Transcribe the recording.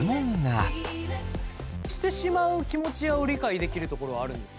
してしまう気持ちを理解できるところはあるんですか？